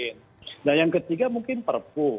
nah yang ketiga mungkin perpu